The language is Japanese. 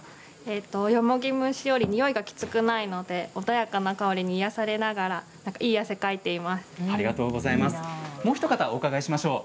よもぎ蒸しより、においがきつくないので穏やかな香りに癒やされながらもうひと方お伺いしましょう。